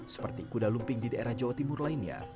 seperti kuda lumping di daerah jawa timur lainnya